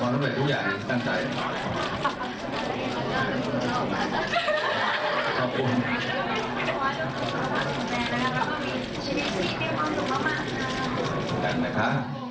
ขอบคุณค่ะ